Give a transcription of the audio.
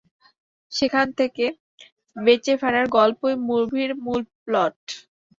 সেখান থেকে বেঁচে ফেরার গল্পই মুভির মূল প্লট।